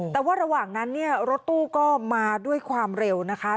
แต่ว่าระหว่างนั้นเนี่ยรถตู้ก็มาด้วยความเร็วนะคะ